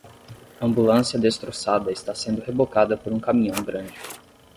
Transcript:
Ambulância destroçada está sendo rebocada por um caminhão grande.